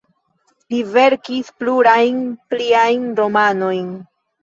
Li verkis plurajn pliajn romanojn.